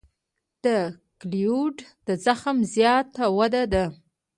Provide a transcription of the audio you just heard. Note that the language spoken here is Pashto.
د کیلویډ د زخم زیاته وده ده.